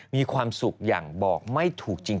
มีความสุขอย่างบอกไม่ถูกจริง